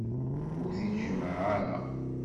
Ur t-id-jemmε ara.